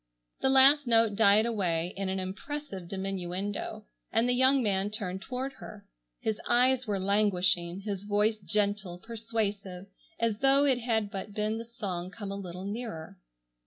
The last note died away in an impressive diminuendo, and the young man turned toward her. His eyes were languishing, his voice gentle, persuasive, as though it had but been the song come a little nearer.